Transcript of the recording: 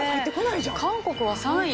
韓国は３位。